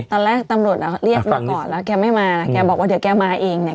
ตอนแรกตำรวจเรียกมาก่อนแล้วแกไม่มานะแกบอกว่าเดี๋ยวแกมาเองเนี่ย